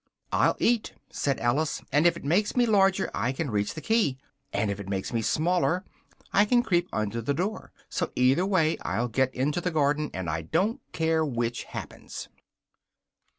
"I'll eat," said Alice, "and if it makes me larger, I can reach the key, and if it makes me smaller, I can creep under the door, so either way I'll get into the garden, and I don't care which happens!"